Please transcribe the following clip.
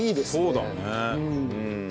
そうだね。